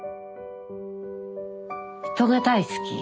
人が大好き。